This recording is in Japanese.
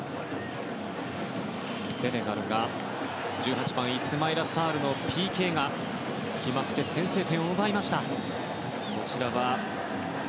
セネガルの１８番イスマイラ・サールのＰＫが決まって先制点を奪いました。